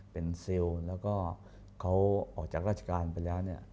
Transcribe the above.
เป็นเซลล์แล้วก็เขาออกจากราชการไปแล้วเนี่ย